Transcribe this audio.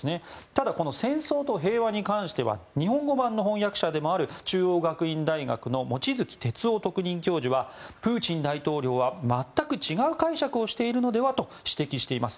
ただ、「戦争と平和」に関しては日本語版の翻訳者でもある中央学院大学の望月哲男特任教授はプーチン大統領は全く違う解釈をしているのではと指摘しています。